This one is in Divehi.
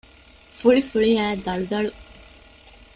ފުޅިފުޅިއައި ދަޅުދަޅު